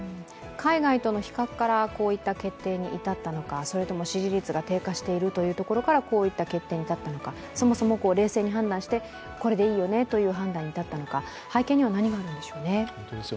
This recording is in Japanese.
海外との比較からこういった決定に至ったのか、それとも支持率が低下していることからこういった決定に至ったのか、そもそも冷静に判断してこれでいいよねという判断に至ったのか、背景には何があるんでしょうね。